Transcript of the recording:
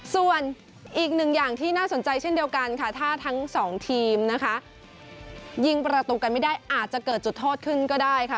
ส่วนอีกหนึ่งอย่างที่น่าสนใจเช่นเดียวกันค่ะถ้าทั้งสองทีมนะคะยิงประตูกันไม่ได้อาจจะเกิดจุดโทษขึ้นก็ได้ค่ะ